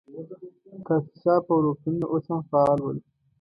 کافې شاپ او روغتونونه اوس هم فعال ول.